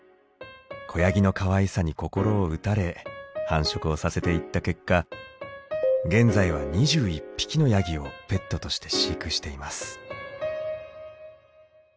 子ヤギのかわいさに心を打たれ繁殖をさせていった結果現在は２１匹のヤギをペットとして飼育しています。